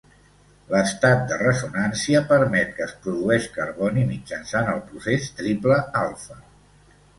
L'estat de ressonància permet que es produeix carboni mitjançant el procés triple-alfa.